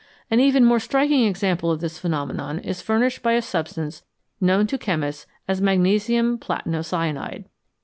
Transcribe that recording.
An even more striking example of this phenomenon is furnished by a substance known to chemists as magnesium platinocyanide.